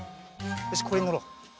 よしこれにのろう。